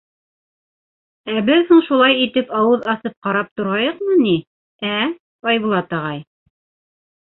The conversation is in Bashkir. — Ә беҙ һуң шулай итеп ауыҙ асып ҡарап торайыҡмы ни, ә, Айбулат ағай?